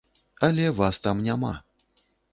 Але вас там няма.